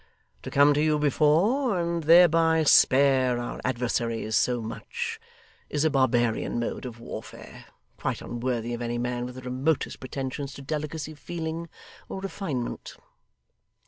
To come to you before, and thereby spare our adversaries so much, is a barbarian mode of warfare, quite unworthy of any man with the remotest pretensions to delicacy of feeling, or refinement.